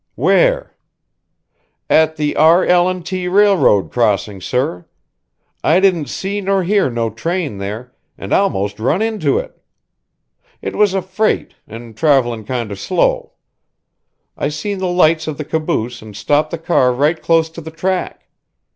"Where?" "At the R.L. and T. railroad crossing, sir. I didn't see nor hear no train there, and almost run into it. It was a freight, and travelin' kinder slow. I seen the lights of the caboose and stopped the car right close to the track.